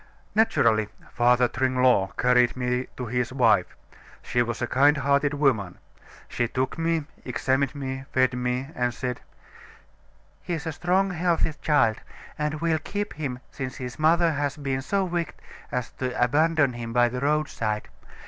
"Naturally, Father Tringlot carried me to his wife. She was a kind hearted woman. She took me, examined me, fed me, and said: 'He's a strong, healthy child; and we'll keep him since his mother has been so wicked as to abandon him by the roadside.